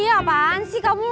apaan sih kamu